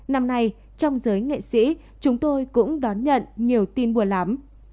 năm nay trong giới nghệ sĩ chúng tôi cũng đón nhận nhiều tin buồn lắm